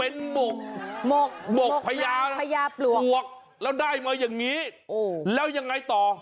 เอาให้ครุนไกล์ธนาคอร์น